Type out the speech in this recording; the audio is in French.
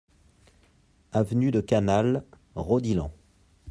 Avenue de Canale, Rodilhan